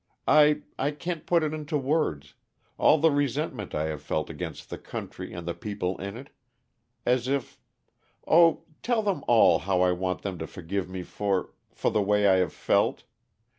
I I can't put it into words all the resentment I have felt against the country and the people in it as if oh, tell them all how I want them to forgive me for for the way I have felt.